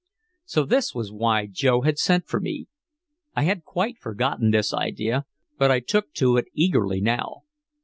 So this was why Joe had sent for me. I had quite forgotten this idea, but I took to it eagerly now.